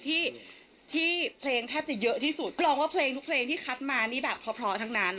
ที่ที่เพลงแทบจะเยอะที่สุดแปลว่าเพลงทุกเพลงที่คัดมานี่แบบเพราะทั้งนั้น